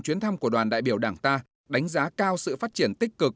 chuyến thăm của đoàn đại biểu đảng ta đánh giá cao sự phát triển tích cực